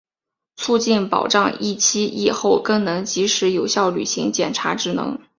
促进、保障疫期、疫后更加及时有效履行检察职能